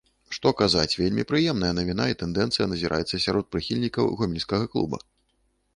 Што казаць, вельмі прыемная навіна і тэндэнцыя назіраецца сярод прыхільнікаў гомельскага клуба.